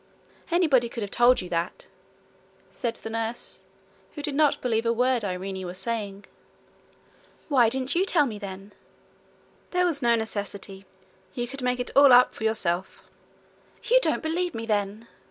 'Anybody could have told you that,' said the nurse, who did not believe a word Irene was saying. 'Why didn't you tell me, then?' 'There was no necessity. You could make it all up for yourself.' 'You don't believe me, then!'